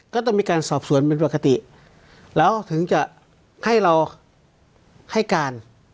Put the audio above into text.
ก็ต้องมีการสอบสวนเป็นปกติแล้วถึงจะให้เราให้การ